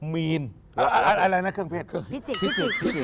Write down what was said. พิจิก